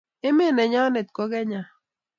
Emet nenyonet ko kenya